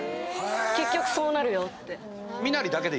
結局そうなるよって。